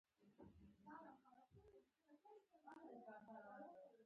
لومړی پړاو پر ختمېدلو ښکاري.